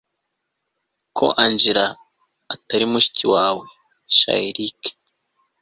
ko angella atari mushiki wawe sha eric